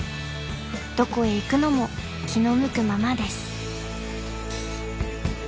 ［どこへ行くのも気の向くままです］